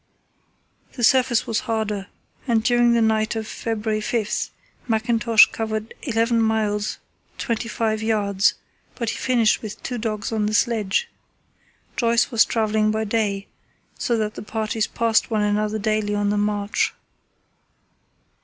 The surface was harder, and during the night of February 5 Mackintosh covered eleven miles twenty five yards, but he finished with two dogs on the sledge. Joyce was travelling by day, so that the parties passed one another daily on the march.